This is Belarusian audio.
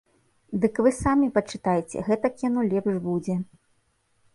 Дык вы самі пачытайце, гэтак яно лепш будзе.